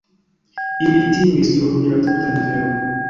Ili timis trovi la tutan veron.